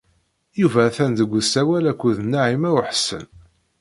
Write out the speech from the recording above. Yuba atan deg usawal akked Naɛima u Ḥsen.